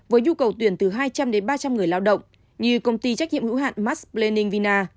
với nhu cầu tuyển từ hai trăm linh đến ba trăm linh người lao động như công ty trách nhiệm hữu hạn mars blaning vina